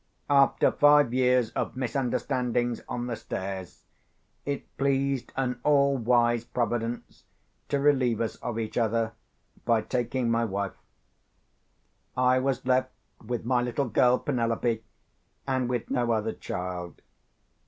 After five years of misunderstandings on the stairs, it pleased an all wise Providence to relieve us of each other by taking my wife. I was left with my little girl Penelope, and with no other child.